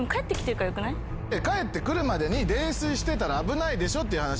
帰って来るまでに泥酔してたら危ないでしょ！って話。